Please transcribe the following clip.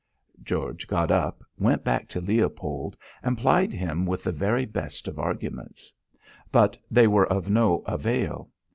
George got up, went back to Leopold, and plied him with the very best of arguments. But they were of no avail.